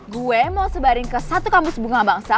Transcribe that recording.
gue mau sebaring ke satu kampus bunga bangsa